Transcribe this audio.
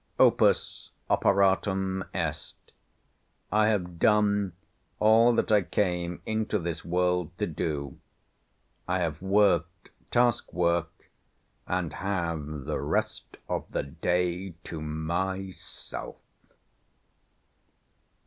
Opus operatum est. I have done all that I came into this world to do. I have worked task work, and have the rest of the day to myself.